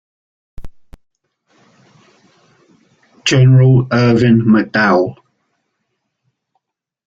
General Irvin McDowell.